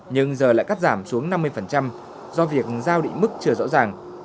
nhưng giờ lại cắt giảm xuống năm mươi do việc giao định mức chưa rõ ràng